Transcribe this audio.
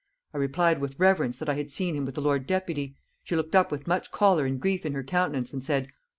I replied with reverence, that I had seen him with the lord deputy; she looked up with much choler and grief in her countenance, and said: O!